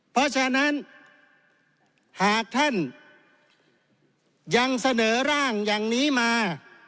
เพราะฉะนั้นหากท่านยังเสนอร่างอย่างนี้มา